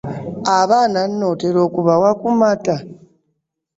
Abaana nno otera okubawa ku mata?